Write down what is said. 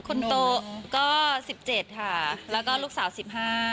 คนโตก็๑๗ค่ะแล้วก็ลูกสาว๑๕ค่ะ